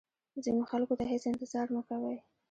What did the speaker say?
ځینو خلکو ته هیڅ انتظار مه کوئ.